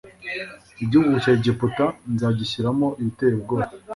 igihugu cya Egiputa nzagishyiramo ibiteye ubwoba